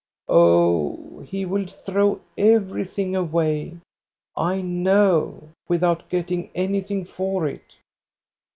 Oh, he will throw everything away, I know, without getting anything for it."